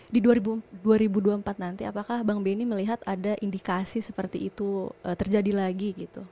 di dua ribu dua puluh empat nanti apakah bang benny melihat ada indikasi seperti itu terjadi lagi gitu